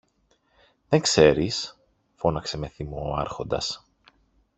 Δεν ξέρεις; φώναξε με θυμό ο Άρχοντας.